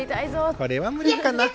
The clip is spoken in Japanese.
これは無理かな？